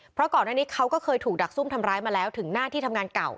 เพราะก่อนหน้านี้เขาก็เคยถูกดักซุ่มทำร้ายมาแล้วถึงหน้าที่ทำงานเก่า